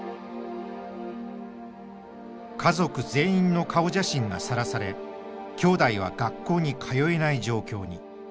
家族全員の顔写真がさらされ兄弟は学校に通えない状況に。